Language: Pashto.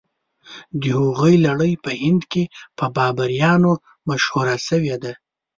د هغوی لړۍ په هند کې په بابریانو مشهوره شوې ده.